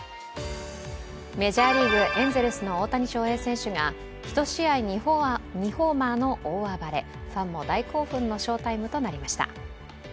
メジャーリーグ、エンゼルスの大谷翔平選手が１試合２ホーマーの大暴れファンも大興奮の翔タイムとなりました。